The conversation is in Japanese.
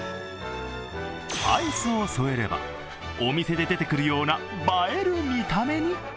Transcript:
アイスを添えれば、お店で出てくるような映える見た目に。